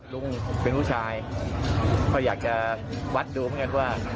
รุ่งเป็นผู้ชายเขาอยากจะวัดดูบ้างกันว่า